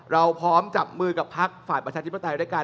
เราพร้อมจับมือกับพักฝ่ายประชาธิปไตยด้วยกัน